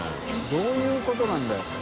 どういうことなんだよ。